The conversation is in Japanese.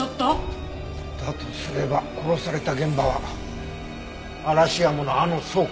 だとすれば殺された現場は嵐山のあの倉庫？